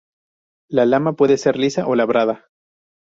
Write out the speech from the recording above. La lama puede ser lisa o labrada.